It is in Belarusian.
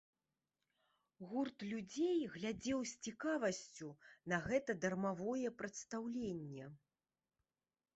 Гурт людзей глядзеў з цікавасцю на гэта дармавое прадстаўленне.